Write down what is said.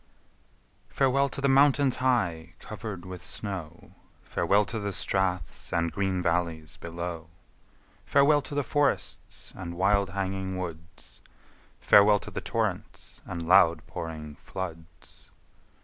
Farewell to the mountains, high cover'd with snow, Farewell to the straths and green valleys below, Farewell to the forests and wild hanging woods, Farewell to the torrents and loud pouring floods!